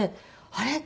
あれ？